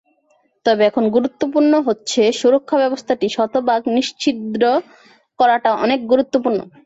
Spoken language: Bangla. তবে এখন গুরুত্বপূর্ণ হচ্ছে সুরক্ষা ব্যবস্থাটি শতভাগ নিশ্ছিদ্র করাটা অনেক গুরুত্বপূর্ণ।